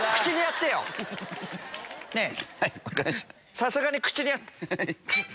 さすがに口に。